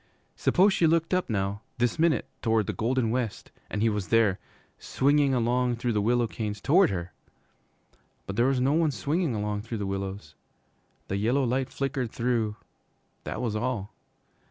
Suppose she looked up now, this minute, toward the golden west, and he was there, swinging along through the willow canes toward her! But there was no one swinging along through the willows. The yellow light flickered through that was all.